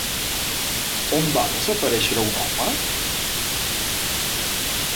On va desaparèixer un home?